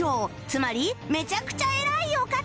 つまりめちゃくちゃ偉いお方